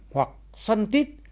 hoặc xoăn tít